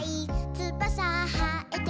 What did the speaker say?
「つばさはえても」